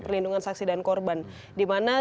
perlindungan saksi dan korban dimana